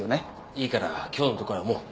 いいから今日のところはもう。